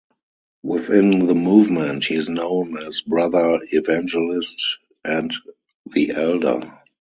Within the movement, he is known as "Brother Evangelist" and "the Elder".